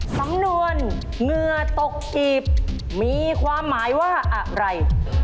สำนวนเหงื่อตกกีบมีความหมายว่าอะไร